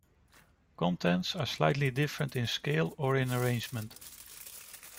Contents are slightly different in scale, or in arrangement.